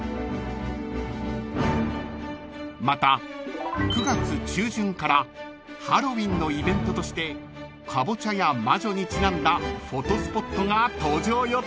［また９月中旬からハロウィンのイベントとしてカボチャや魔女にちなんだフォトスポットが登場予定です］